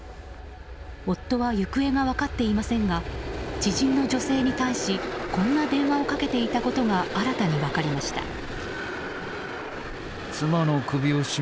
夫は行方が分かっていませんが知人の女性に対しこんな電話をかけていたことが新たに分かりました。